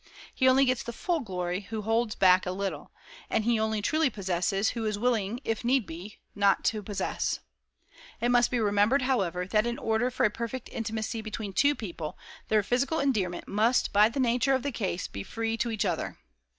He only gets the full glory who holds back a little, and he only truly possesses who is willing if need be not to possess. It must be remembered, however, that in order for a perfect intimacy between two people their physical endearment must by the nature of the case be free to each other.